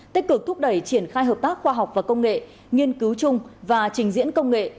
tích cực thúc đẩy triển khai hợp tác khoa học và công nghệ nghiên cứu chung và trình diễn công nghệ